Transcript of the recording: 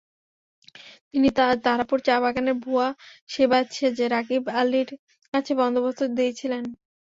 তিনি তারাপুর চা–বাগানের ভুয়া সেবায়েত সেজে রাগীব আলীর কাছে বন্দোবস্ত দিয়েছিলেন।